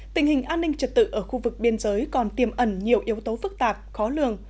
tình hình an ninh trật tự ở khu vực biên giới còn tiêm ẩn nhiều yếu tố phức tạp khó lường